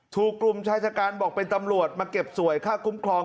ถูกกลุ่มชายชะกันบอกเป็นตำรวจมาเก็บสวยค่าคุ้มครอง